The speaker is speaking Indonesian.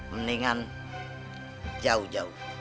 mendingan jauh jauh